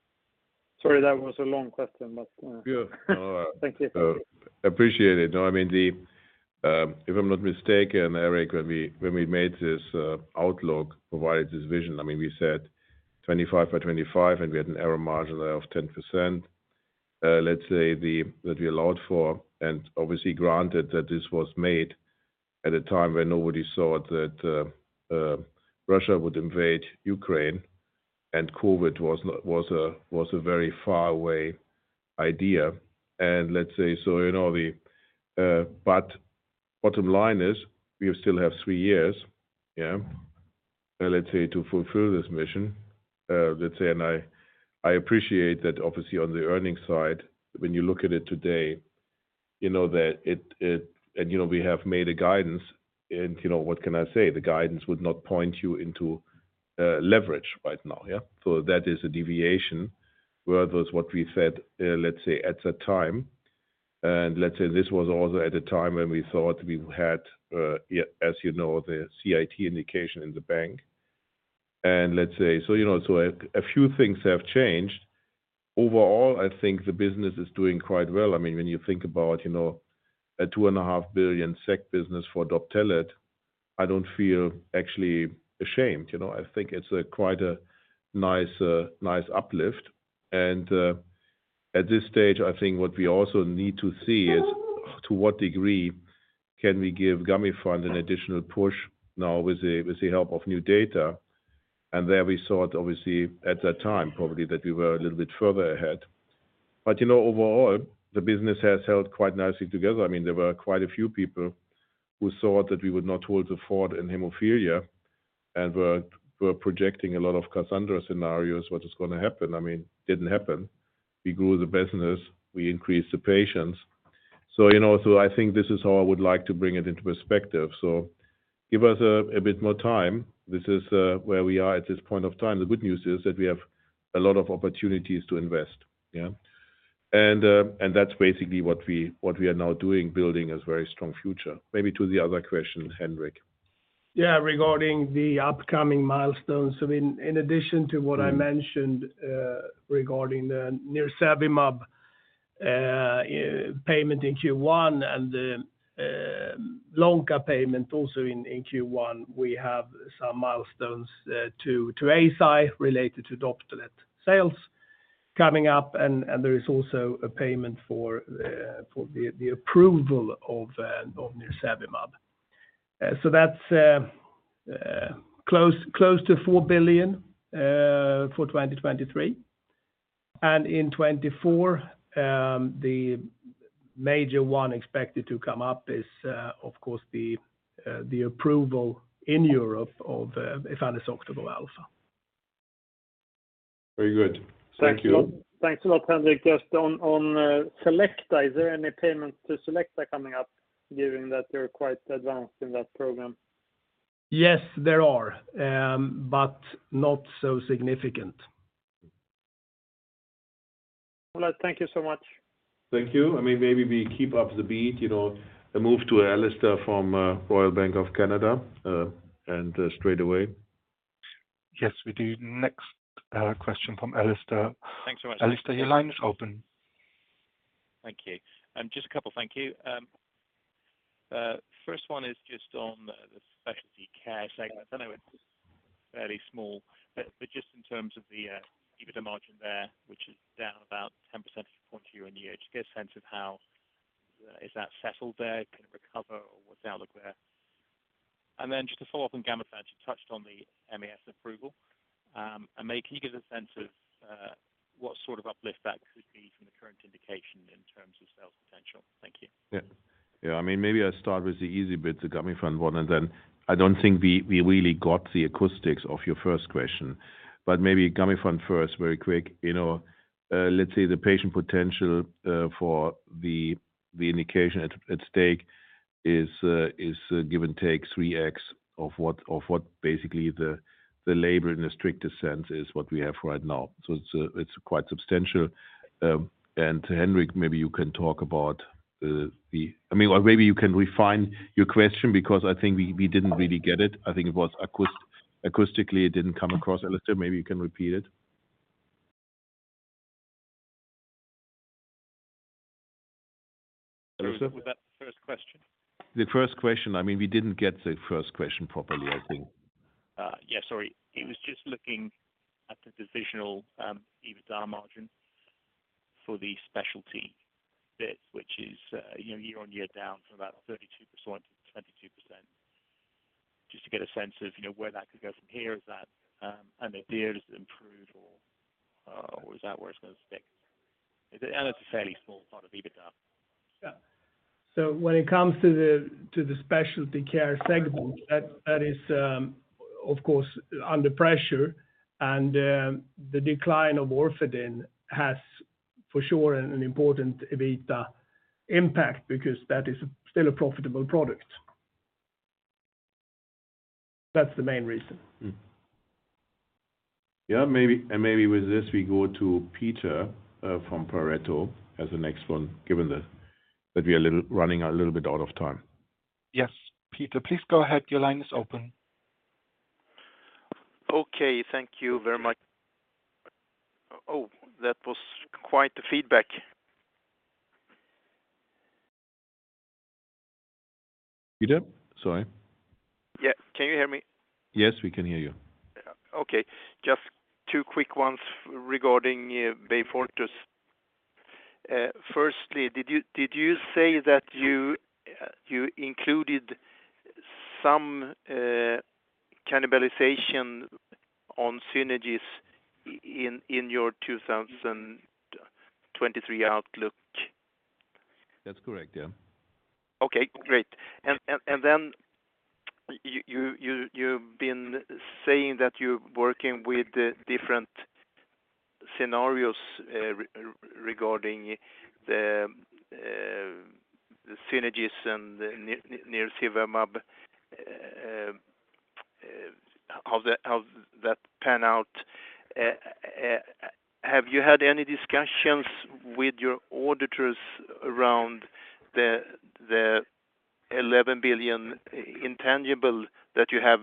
Sorry, that was a long question, but-
Yeah. No
...thank you.
Appreciate it. No, I mean, if I'm not mistaken, Erik, when we, when we made this outlook, provided this vision, I mean, we said 25 by 25, and we had an error margin there of 10%. That we allowed for, and obviously granted that this was made at a time when nobody thought that Russia would invade Ukraine and COVID was not, was a very far away idea. Bottom line is we still have three years, yeah, to fulfill this mission. I appreciate that obviously on the earnings side, when you look at it today, you know that it and you know we have made a guidance and, you know, what can I say? The guidance would not point you into leverage right now, yeah. That is a deviation versus what we said, let's say at the time. Let's say this was also at a time when we thought we had, as you know, the CIT indication in the bank. Let's say, so, you know, so a few things have changed. Overall, I think the business is doing quite well. I mean, when you think about, you know, a 2.5 billion SEK business for Doptelet, I don't feel actually ashamed, you know. I think it's a quite a nice uplift. At this stage, I think what we also need to see is to what degree can we give Gamifant an additional push now with the help of new data. There we thought, obviously, at that time, probably that we were a little bit further ahead. You know, overall, the business has held quite nicely together. I mean, there were quite a few people who thought that we would not hold the fort in hemophilia, and were projecting a lot of Cassandra scenarios, what is gonna happen. I mean, it didn't happen. We grew the business, we increased the patients. You know, so I think this is how I would like to bring it into perspective. Give us a bit more time. This is where we are at this point of time. The good news is that we have a lot of opportunities to invest. Yeah. That's basically what we, what we are now doing, building a very strong future. Maybe to the other question, Henrik.
Yeah. Regarding the upcoming milestones, I mean, in addition to what I mentioned, regarding the nirsevimab payment in Q1 and the Lonca payment also in Q1, we have some milestones to Astellas related to Doptelet sales coming up. There is also a payment for the approval of nirsevimab. That's close to 4 billion for 2023. In 2024, the major one expected to come up is, of course, the approval in Europe of efanesoctocog alfa.
Very good. Thank you.
Thanks a lot, Henrik. Just on Selecta, is there any payment to Selecta coming up, given that they're quite advanced in that program?
Yes, there are, but not so significant.
All right. Thank you so much.
Thank you. I mean, maybe we keep up the beat, you know, a move to Alistair from Royal Bank of Canada and straight away.
Yes, we do. Next, question from Alistair.
Thanks so much.
Alistair, your line is open.
Thank you. Just a couple. Thank you. First one is just on the specialty care segment. I know it's fairly small, but just in terms of the EBITDA margin there, which is down about 10 percentage points year-on-year. Just get a sense of how is that settled there? Can it recover? Or what's the outlook there? Just to follow up on Gamifant, you touched on the MAS approval. Maybe can you give us a sense of what sort of uplift that could be from the current indication in terms of sales potential? Thank you.
Yeah. Yeah. I mean, maybe I start with the easy bit, the Gamifant one. I don't think we really got the acoustics of your first question. Maybe Gamifant first, very quick. You know, let's say the patient potential for the indication at stake is give and take 3x of what basically the label in the strictest sense is what we have right now. It's quite substantial. To Henrik, maybe you can talk about the... I mean, or maybe you can refine your question because I think we didn't really get it. I think it was acoustically, it didn't come across, Alistair. Maybe you can repeat it.
Was that the first question?
The first question, I mean, we didn't get the first question properly, I think.
Yeah, sorry. It was just looking at the divisional EBITDA margin for the specialty bit, which is, you know, year-on-year down from about 32% to 22%. Just to get a sense of, you know, where that could go from here. Is that, I mean, did it improve or is that where it's gonna stick? I know that's a fairly small part of EBITDA.
Yeah. When it comes to the specialty care segment, that is, of course, under pressure and the decline of Orfadin has for sure an important EBITDA impact because that is still a profitable product. That's the main reason.
Yeah. Maybe, maybe with this we go to Peter from Pareto as the next one, given that we are running a little bit out of time.
Yes. Peter, please go ahead. Your line is open.
Thank you very much. Oh, that was quite the feedback.
Peter? Sorry.
Yeah. Can you hear me?
Yes, we can hear you.
Yeah. Okay. Just two quick ones regarding Beyfortus. Firstly, did you say that you included some cannibalization on Synagis in your 2023 outlook?
That's correct. Yeah.
Okay, great. Then you've been saying that you're working with different scenarios regarding the Synagis and the nirsevimab, how that pan out. Have you had any discussions with your auditors around the 11 billion intangible that you have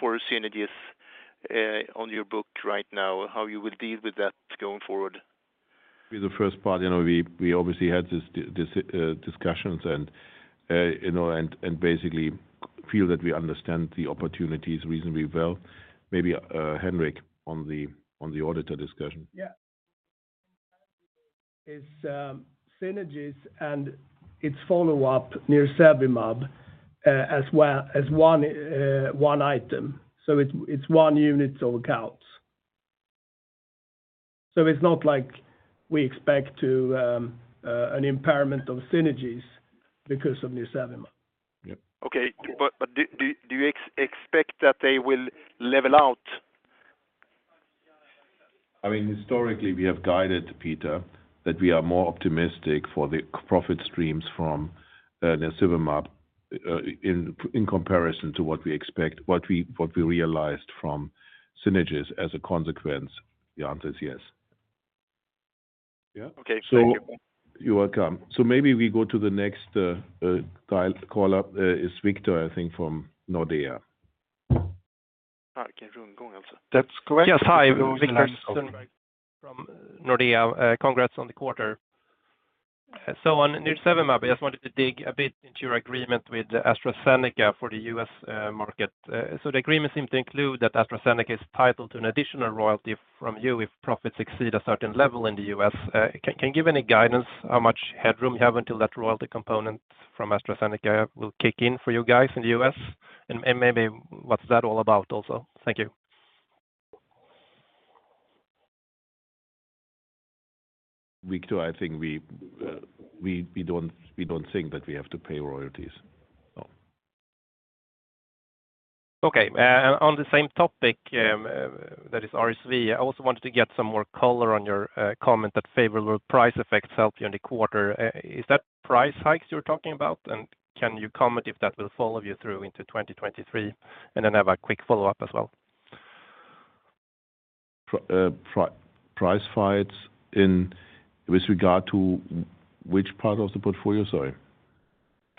for Synagis on your book right now, how you would deal with that going forward?
With the first part, you know, we obviously had these discussions and, you know, basically feel that we understand the opportunities reasonably well. Maybe Henrik on the auditor discussion.
Yeah. Is, Synagis and its follow-up nirsevimab, as well as one item. It's one unit so it counts. It's not like we expect to an impairment of Synagis because of nirsevimab.
Yeah.
Okay. Do you expect that they will level out?
I mean, historically, we have guided, Peter, that we are more optimistic for the profit streams from nirsevimab in comparison to what we expect, what we realized from Synagis as a consequence. The answer is yes. Yeah.
Okay. Thank you.
You're welcome. Maybe we go to the next dial caller, is Victor, I think from Nordea.
That's correct.
Hi, Victor from Nordea. Congrats on the quarter. On nirsevimab, I just wanted to dig a bit into your agreement with AstraZeneca for the U.S. market. The agreement seemed to include that AstraZeneca is titled to an additional royalty from you if profits exceed a certain level in the U.S. Can you give any guidance how much headroom you have until that royalty component from AstraZeneca will kick in for you guys in the U.S. and maybe what's that all about also? Thank you.
Victor, I think we don't think that we have to pay royalties. No.
Okay. On the same topic, that is RSV, I also wanted to get some more color on your comment that favorable price effects helped you in the quarter. Is that price hikes you're talking about? Can you comment if that will follow you through into 2023? Then I have a quick follow-up as well.
price fights in with regard to which part of the portfolio? Sorry.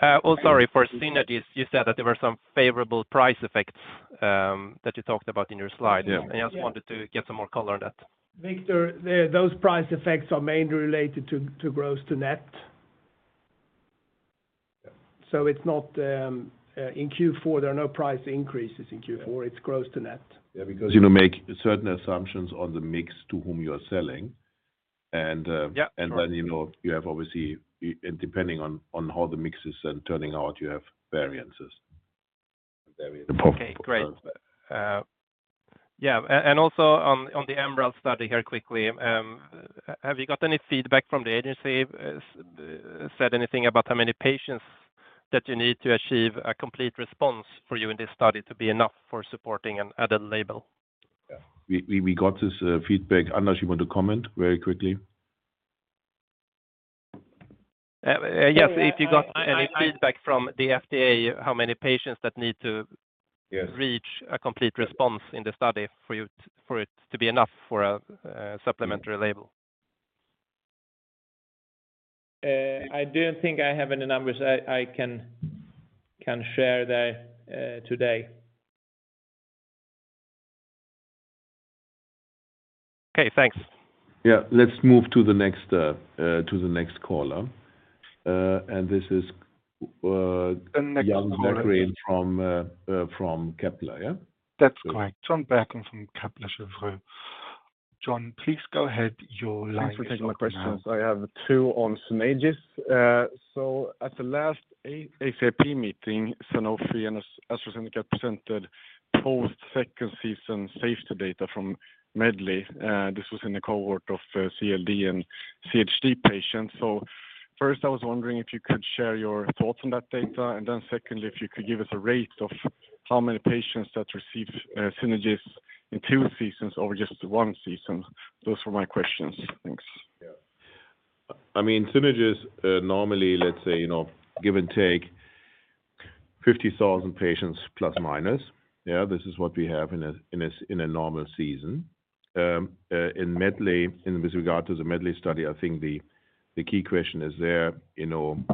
Sorry, for Synagis. You said that there were some favorable price effects that you talked about in your slide.
Yeah.
I just wanted to get some more color on that.
Victor, those price effects are mainly related to gross to net.
Yeah.
It's not in Q4, there are no price increases in Q4.
Yeah.
It's gross to net.
Yeah, because you make certain assumptions on the mix to whom you are selling.
Yeah.
You know, you have obviously, depending on how the mix is then turning out, you have variances.
Okay, great. yeah. Also on the EMERALD study here quickly, have you got any feedback from the agency, said anything about how many patients that you need to achieve a complete response for you in this study to be enough for supporting an added label?
Yeah. We got this feedback. Anders, you want to comment very quickly?
Yes. If you got any feedback from the FDA, how many patients that need to.
Yes.
reach a complete response in the study for you, for it to be enough for a supplementary label.
I don't think I have any numbers I can share there today.
Okay, thanks.
Yeah. Let's move to the next caller. This is Jon Berggren from Kepler, yeah?
That's correct. Jon Berggren from Kepler Cheuvreux. Jon, please go ahead. Your line is open now.
Thanks for taking my questions. I have two on Synagis. At the last ACIP meeting, Sanofi and AstraZeneca presented post-second season safety data from MEDLEY. This was in the cohort of, CLD and CHD patients. First, I was wondering if you could share your thoughts on that data. Secondly, if you could give us a rate of how many patients that received, Synagis in two seasons over just one season. Those were my questions. Thanks.
Yeah. I mean, Synagis, normally, let's say, you know, give and take 50,000 patients plus minus, yeah. This is what we have in a normal season. In MEDLEY, with regard to the MEDLEY study, I think the key question is there, you know,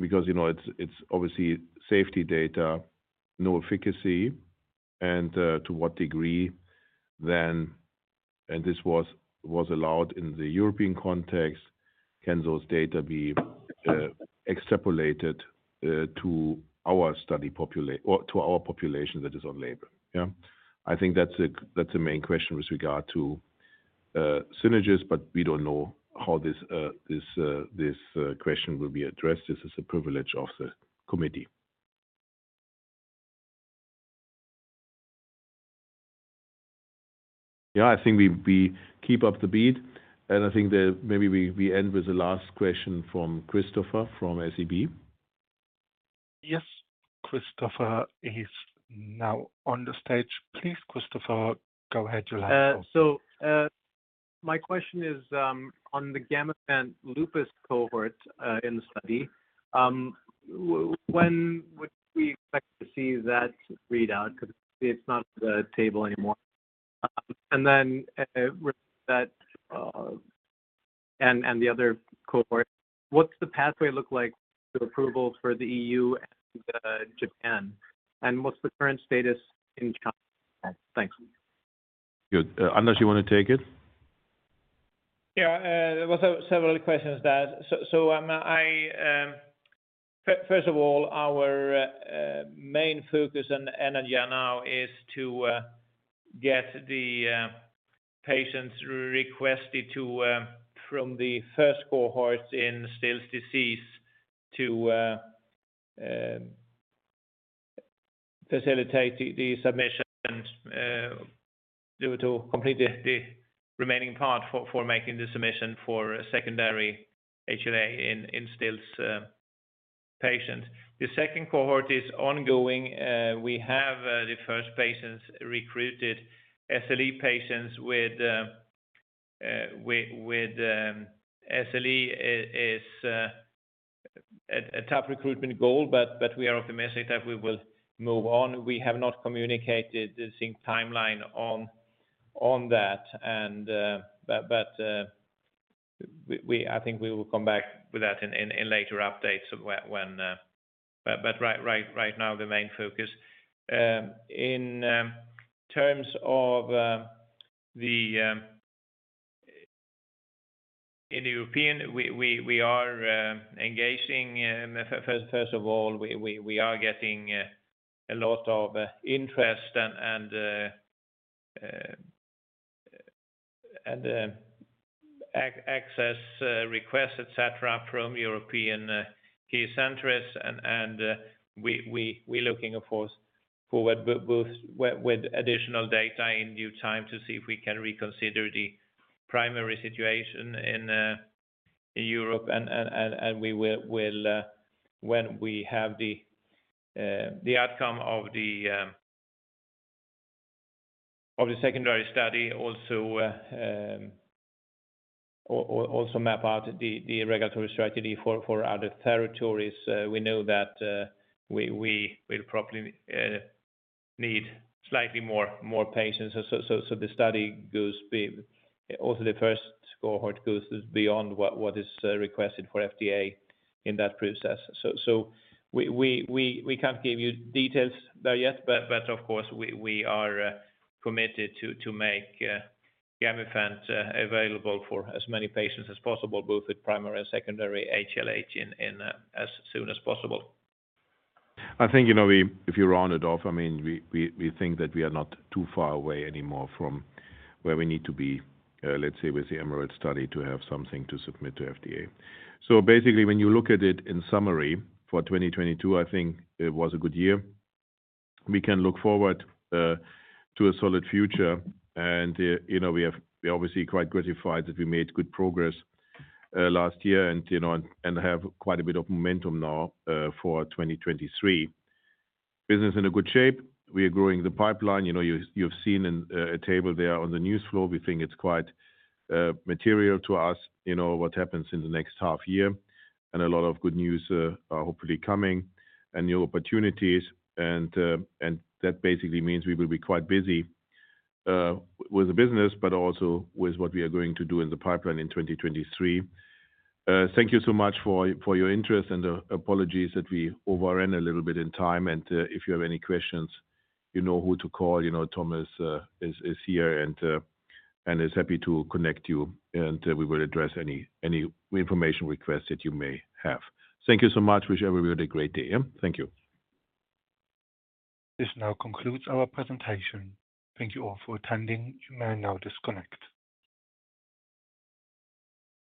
Because it's obviously safety data, no efficacy, and to what degree then and this was allowed in the European context, can those data be extrapolated to our study population or to our population that is on label, yeah? I think that's the main question with regard to Synagis, but we don't know how this question will be addressed. This is a privilege of the committee. Yeah. I think we keep up the beat, and I think that maybe we end with the last question from Christopher from SEB.
Yes. Christopher is now on the stage. Please, Christopher, go ahead. Your line is open.
My question is, on the Gamifant lupus cohort, in the study, when would we expect to see that readout? 'Cause it's not on the table anymore. Then, with that, and the other cohort, what's the pathway look like for approvals for the EU and Japan? What's the current status in China? Thanks.
Good. Anders, you wanna take it?
Yeah. There was several questions there. I... First of all, our main focus and energy now is to get the patients requested to from the first cohorts in Still's disease to facilitate the submissions due to complete the remaining part for making the submission for secondary HLH in Still's patients. The second cohort is ongoing. We have the first patients recruited. SLE patients with SLE is a tough recruitment goal, but we are optimistic that we will move on. We have not communicated the same timeline on that. We... I think we will come back with that in later updates when... Right now the main focus in European we are engaging first of all, we are getting a lot of interest and access requests, et cetera, from European key centers and we are looking of course forward both with additional data in due time to see if we can reconsider the primary situation in Europe. When we have the outcome of the secondary study also map out the regulatory strategy for other territories. We know that we will probably need slightly more patients. Also the first cohort goes beyond what is requested for FDA in that process. We can't give you details there yet. Of course, we are committed to make Gamifant available for as many patients as possible, both with primary and secondary HLH in as soon as possible.
I think, you know, if you round it off, I mean, we think that we are not too far away anymore from where we need to be, let's say with the EMERALD study to have something to submit to FDA. Basically, when you look at it in summary for 2022, I think it was a good year. We can look forward to a solid future. You know, we're obviously quite gratified that we made good progress last year and, you know, have quite a bit of momentum now for 2023. Business in a good shape. We are growing the pipeline. You know, you've seen in a table there on the news flow. We think it's quite material to us, you know, what happens in the next half year. A lot of good news are hopefully coming and new opportunities and that basically means we will be quite busy with the business but also with what we are going to do in the pipeline in 2023. Thank you so much for your interest and apologies that we overran a little bit in time. If you have any questions, you know who to call. You know Thomas is here and is happy to connect you, and we will address any information request that you may have. Thank you so much. Wish everybody a great day. Yeah. Thank you.
This now concludes our presentation. Thank you all for attending. You may now disconnect.